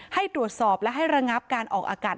ให้ตรวจสอบและให้ระงับการออกอากาศ